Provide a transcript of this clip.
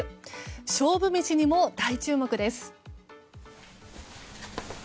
勝負メシにも大注目です。